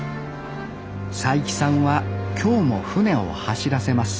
齋木さんは今日も船を走らせます